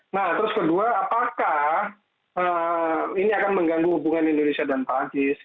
nah terus kedua apakah ini akan mengganggu hubungan indonesia dan perancis